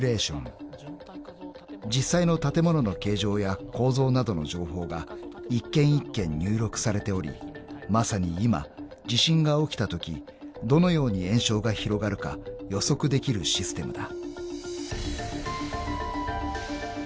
［実際の建物の形状や構造などの情報が一軒一軒入力されておりまさに今地震が起きたときどのように延焼が広がるか予測できるシステムだ］